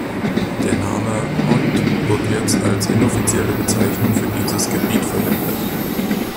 Der Name "Hont" wird jetzt als inoffizielle Bezeichnung für dieses Gebiet verwendet.